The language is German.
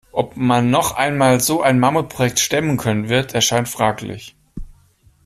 Ob man noch einmal so ein Mammutprojekt stemmen können wird, erscheint fraglich.